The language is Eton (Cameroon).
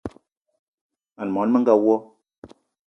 Mań món menga wo!